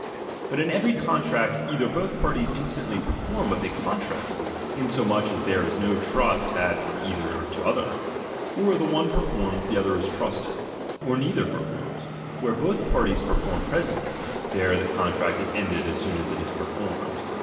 But in every contract, either both parties instantly per form what they contract for, insomuch as there is no trust had from either to other ; or the one per forms, the other is trusted ; or neither perform. Where both parties perform presently, there the contract is ended as soon as it is performed.